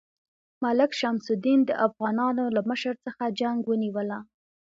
ملک شمس الدین د افغانانو له مشر څخه جنګ ونیوله.